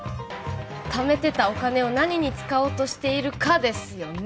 「ためてたお金を何に使おうとしているか」ですよね？